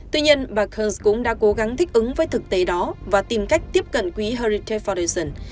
tuy nhiên bà kearns cũng đã cố gắng thích ứng với thực tế đó và tìm cách tiếp cận quý harriet forderson